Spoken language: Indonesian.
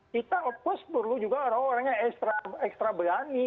kita apus perlu juga orang orang yang ekstra berani